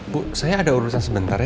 bu saya ada urusan sebentar ya